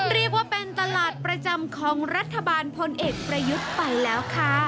เรียกว่าเป็นตลาดประจำของรัฐบาลพลเอกประยุทธ์ไปแล้วค่ะ